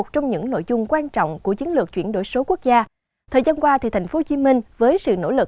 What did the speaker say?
trong những nội dung quan trọng của chiến lược chuyển đổi số quốc gia thời gian qua tp hcm với sự nỗ lực